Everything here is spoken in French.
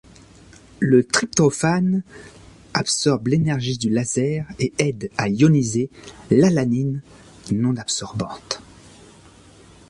Le tryptophane absorbe l'énergie du laser et aide à ioniser l'alanine non absorbante.